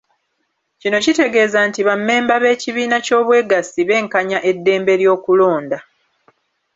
Kino kitegeeza nti bammemba b’ekibiina ky’obwegassi benkanya eddembe ly’okulonda.